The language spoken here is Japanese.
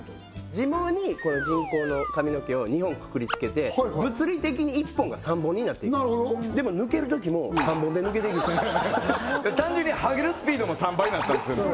自毛に人工の髪の毛を２本くくりつけて物理的に１本が３本になっていくんですでも抜けるときも３本で抜けていく単純にハゲるスピードも３倍になったんですよ